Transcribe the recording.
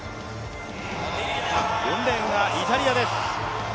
４レーンがイタリアです。